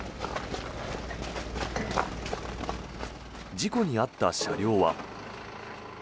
事故に遭った車両は。